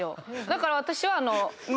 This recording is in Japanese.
だから私は。